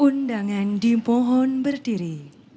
undangan di pohon berdiri